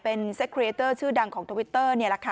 เป็นเซ็กเรเตอร์ชื่อดังของทวิตเตอร์นี่แหละค่ะ